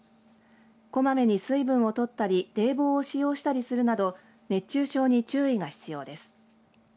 こまめに水分を取ったり冷房を使用したりするなど熱中症に注意が必要です。